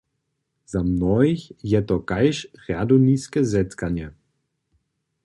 Za mnohich je to kaž rjadowniske zetkanje.